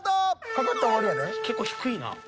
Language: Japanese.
結構低いな。